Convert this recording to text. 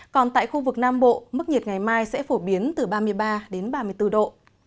còn tại khu vực nam bộ mức nhiệt ngày mai sẽ phổ biến từ ba mươi ba đến ba mươi bốn độ